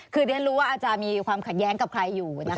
คือเรียนรู้ว่าอาจารย์มีความขัดแย้งกับใครอยู่นะคะ